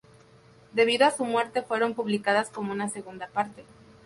Debido a su muerte fueron publicadas como una segunda parte.